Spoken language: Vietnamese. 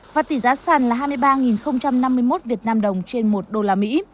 và tỷ giá sàn là hai mươi ba năm mươi một việt nam đồng trên một đô la mỹ